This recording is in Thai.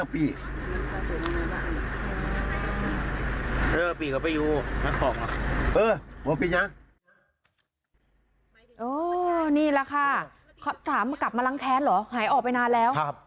นี่แหละค่ะสามกลับมาล้างแค้นเหรอหายออกไปนานแล้ว